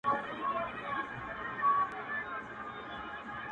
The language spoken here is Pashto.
پر زردکه نه يم، پر خرپ ئې يم.